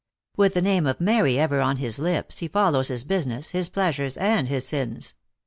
With the name of Mary ever on his lips he follows his busi ness, his pleasures, and his sins.